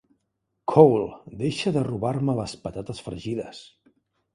Cole, deixa de robar-me les patates fregides!